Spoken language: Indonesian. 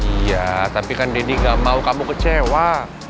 iya tapi kan deddy gak mau kamu kecewa